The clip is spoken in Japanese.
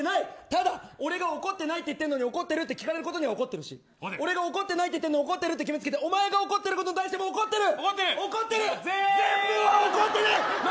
ただ俺が怒ってないって言ってるのに怒ってるし聞かれることに怒ってるし俺が怒ってないって言っているのに怒ってるって決めつけておまえが怒ってることに対して怒ってる。